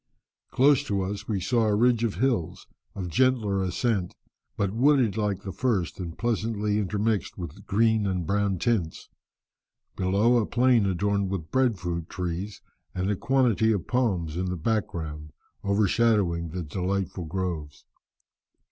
Close to us we saw a ridge of hills, of gentler ascent, but wooded like the first, and pleasantly intermixed with green and brown tints; below, a plain adorned with breadfruit trees, and a quantity of palms in the background, overshadowing the delightful groves.